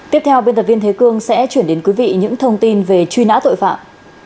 tiếp theo biên tập viên thế cương sẽ chuyển đến quý vị những thông tin về truy nã tội phạm